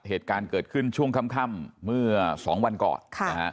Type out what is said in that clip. เหตุการณ์เกิดขึ้นช่วงค่ำเมื่อ๒วันก่อน